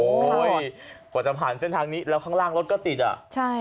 กว่าจะผ่านเส้นทางนี้แล้วข้างล่างรถก็ติดอ่ะใช่